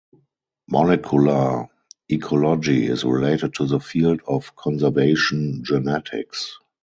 Molecular ecology is related to the field of Conservation genetics.